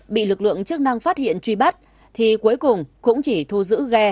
bị lực lượng chức năng phát hiện truy bắt thì cuối cùng cũng chỉ thu giữ ghe